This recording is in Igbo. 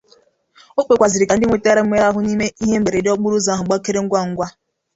O kpekwazịrị ka ndị nwetara mmerụahụ n'ihe mberede okporoụzọ ahụ gbakere mgwamgwa